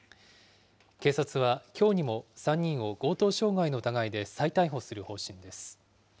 警察はきょうにも３人を強盗傷害の疑いで再逮捕する方針です。